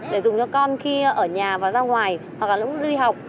để dùng cho con khi ở nhà và ra ngoài hoặc là lúc đi học